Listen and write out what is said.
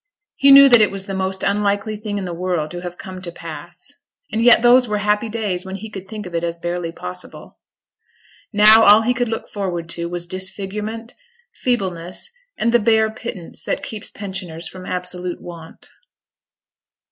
He knew that it was the most unlikely thing in the world to have come to pass; and yet those were happy days when he could think of it as barely possible. Now all he could look forward to was disfigurement, feebleness, and the bare pittance that keeps pensioners from absolute want.